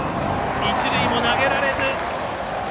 一塁も投げられず。